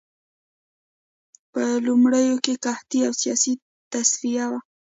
په لومړیو کې قحطي او سیاسي تصفیه وه